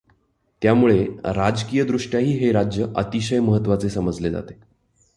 त्यामुळे राजकीयदृष्ट्याही हे राज्य अतिशय महत्वाचे समजले जाते.